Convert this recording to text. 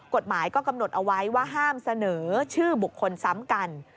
กฎหมายก็กำหนดเอาไว้ว่าห้ามเสนอชื่อบุคคลซ้ำกัน